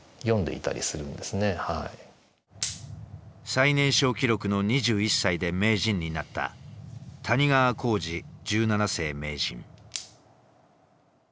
最年少記録の２１歳で名人になった谷川浩司十七世名人。